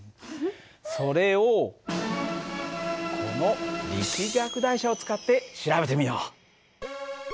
それをこの力学台車を使って調べてみよう。